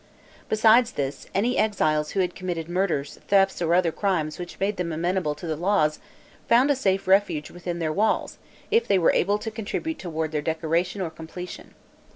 Besides this, any exiles who had committed murders, thefts, or other crimes which made them amenable to the laws, found a safe refuge within their walls, if they were able to contribute toward their decoration or completion.